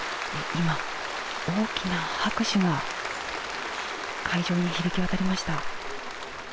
今、大きな拍手が、会場に響き渡りました。